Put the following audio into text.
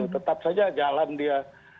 tetap saja jalan dia